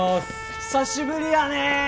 久しぶりやねえ！